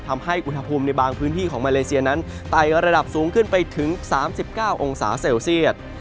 ทำให้อุณหภูมิในบางพื้นที่ของมาเลเซียนั้นไต่ระดับสูงขึ้นไปถึง๓๙องศาเซลเซียต